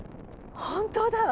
本当だわ！